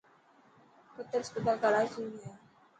قتر اسپتال ڪراچي ۾ هي.